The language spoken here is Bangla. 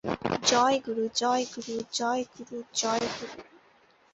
জয় গুরু, জয় গুরু, জয় গুরু, জয় গুরু,।